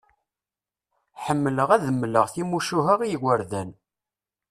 Ḥemmleɣ ad d-mleɣ timucuha i yigerdan.